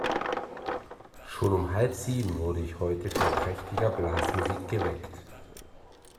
Schon um halb sieben wurde ich heute von prächtiger Blasmusik geweckt.